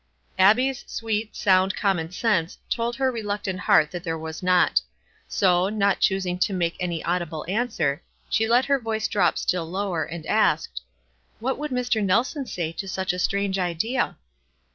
Abbic's sweet, sound common sense told her reluctant heart that there was not; so, not choosing to make any audible answer, she let her voice drop still lower, and asked, "What would Mr. Nelson say to such a strange idea?"